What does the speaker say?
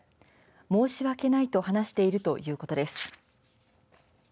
申し訳ないと話しているということです。